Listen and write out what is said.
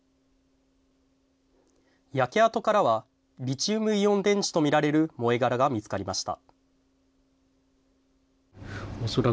焼け跡からは、リチウムイオン電池と見られる燃え殻が見つかりました。